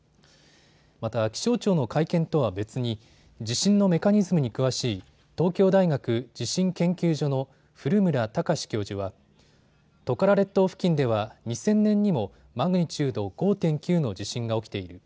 また気象庁の会見とは別に地震のメカニズムに詳しい東京大学地震研究所の古村孝志教授はトカラ列島付近では２０００年にもマグニチュード５．９の地震が起きている。